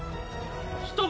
人が。